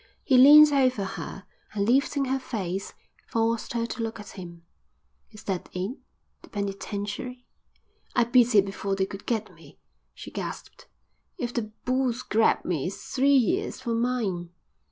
He leaned over her and, lifting her face, forced her to look at him. "Is that it, the penitentiary?" "I beat it before they could get me," she gasped. "If the bulls grab me it's three years for mine."